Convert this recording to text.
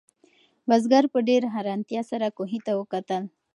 بزګر په ډېرې حیرانتیا سره کوهي ته وکتل.